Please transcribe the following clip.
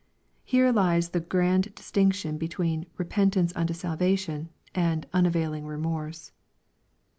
Here lies the grand distinction between " repentance unto salvation," and unavailing remorse.